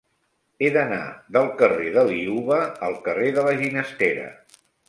He d'anar del carrer de Liuva al carrer de la Ginestera.